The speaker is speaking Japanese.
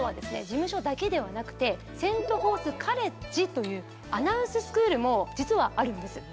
事務所だけではなくてセント・フォースカレッジというアナウンススクールも実はあるんです